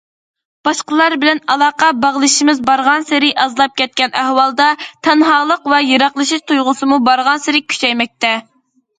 باشقىلار بىلەن ئالاقە باغلىشىمىز بارغانسېرى ئازلاپ كەتكەن ئەھۋالدا، تەنھالىق ۋە يىراقلىشىش تۇيغۇسىمۇ بارغانسېرى كۈچەيمەكتە.